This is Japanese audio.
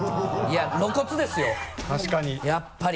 露骨ですよやっぱり。